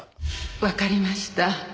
わかりました。